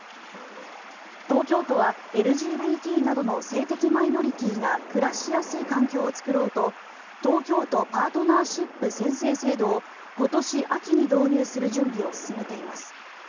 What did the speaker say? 東京都はＬＧＢＴなどの性的マイノリティーが暮らしやすい環境を作ろうと東京都パートナーシップ宣誓制度を今年秋に導入する準備を進めています。